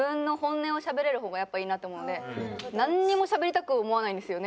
なんにもしゃべりたく思わないんですよね